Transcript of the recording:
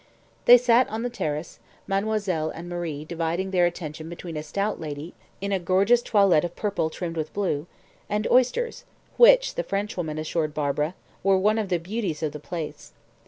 They sat on the terrace, mademoiselle and Marie dividing their attention between a stout lady, in a gorgeous toilet of purple trimmed with blue, and oysters, which, the Frenchwoman assured Barbara, were "one of the beauties of the place."